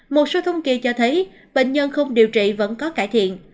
một số thông kỳ cho thấy bệnh nhân không điều trị vẫn có cải thiện